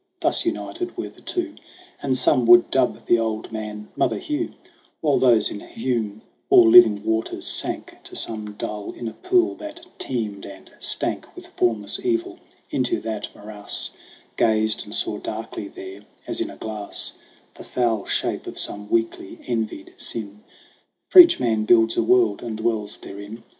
Thus united were the two : And some would dub the old man ' Mother Hugh' ; While those in whom all living waters sank To some dull inner pool that teemed and stank With formless evil, into that morass Gazed, and saw darkly there, as in a glass, The foul shape of some weakly envied sin. For each man builds a world and dwells therein.